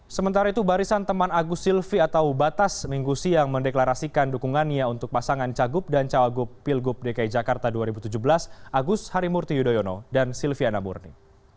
sementara itu barisan teman agus silvi atau batas minggu siang mendeklarasikan dukungannya untuk pasangan cagup dan cawagup pilgub dki jakarta dua ribu tujuh belas agus harimurti yudhoyono dan silviana murni